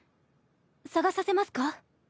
捜させますか？